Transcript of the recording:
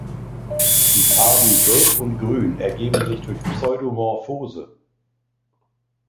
Die Farben gelb und grün ergeben sich durch Pseudomorphose.